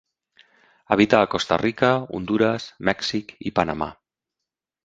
Habita a Costa Rica, Hondures, Mèxic i Panamà.